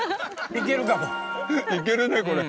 いけるねこれ。